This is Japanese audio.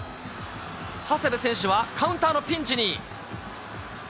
長谷部選手はカウンターのピンチに。